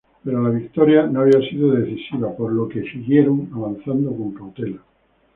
Pero la victoria no había sido decisiva, por lo que siguieron avanzando con cautela.